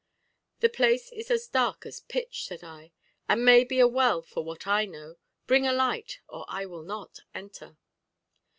"The place is as dark as pitch," said I, "and may be a well for what I know; bring a light, or I will not enter."